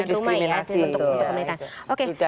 itu diskriminasi untuk pemerintahan